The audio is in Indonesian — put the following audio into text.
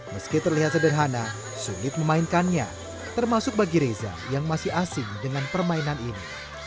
meski terlihat sederhana sulit memainkannya termasuk bagi reza yang masih asing dengan permainan ini